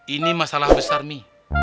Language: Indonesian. ini masalah besar mi